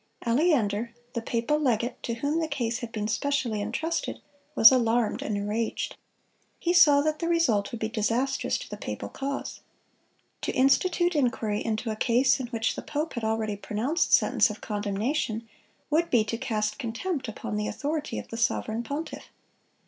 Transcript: Aleander, the papal legate to whom the case had been specially intrusted, was alarmed and enraged. He saw that the result would be disastrous to the papal cause. To institute inquiry into a case in which the pope had already pronounced sentence of condemnation, would be to cast contempt upon the authority of the sovereign pontiff.